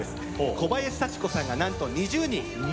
小林幸子さんがなんと２０人。